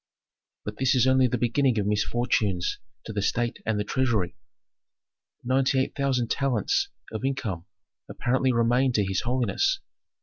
"But this is only the beginning of misfortunes to the state and the treasury. Ninety eight thousand talents of income apparently remain to his holiness.